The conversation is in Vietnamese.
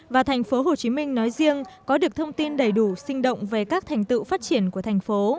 và tp hcm nói riêng có được thông tin đầy đủ sinh động về các thành tựu phát triển của thành phố